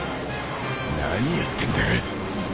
何やってんだ？